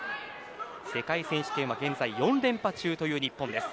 世界選手権は現在４連覇中という日本です。